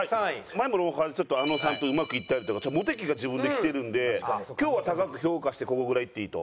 前も『ロンハー』であのさんとうまくいったりとかモテ期が自分できてるんで今日は高く評価してここぐらいいっていいと。